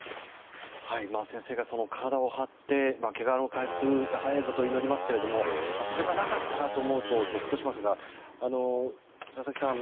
先生が体を張ってけがの回復が早いことを祈りますけどもそれがなかったらと思うとぞっとしますが、佐々木さん